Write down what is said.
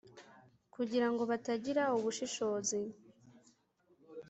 kugira ngo batagira ubushishozi